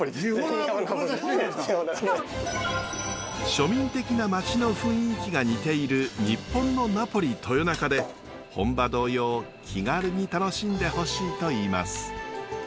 庶民的な町の雰囲気が似ている日本のナポリ豊中で本場同様気軽に楽しんでほしいといいます。